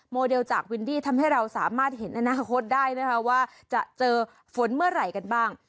เดลจากวินดี้ทำให้เราสามารถเห็นอนาคตได้นะคะว่าจะเจอฝนเมื่อไหร่กันบ้าง